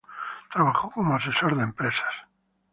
Trabajó como asesor de empresas.